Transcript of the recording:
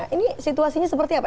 ini situasinya seperti apa